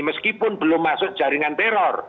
meskipun belum masuk jaringan teror